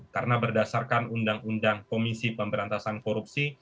karena berdasarkan undang undang komisi pemberantasan korupsi